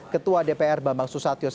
ketua dpr bambang susatyo